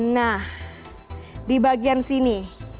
nah di bagian sini